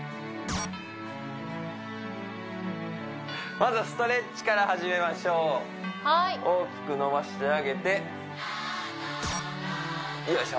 まずはストレッチから始めましょう大きく伸ばしてあげてよいしょ